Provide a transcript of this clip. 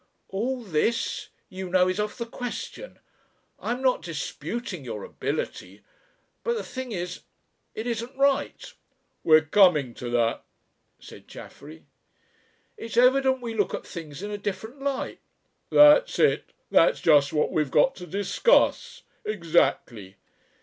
"All this, you know, is off the question. I'm not disputing your ability. But the thing is ... it isn't right." "We're coming to that," said Chaffery. "It's evident we look at things in a different light." "That's it. That's just what we've got to discuss. Exactly!"